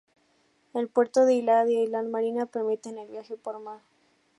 El Puerto de Eilat y Eilat Marina permiten el viaje por mar.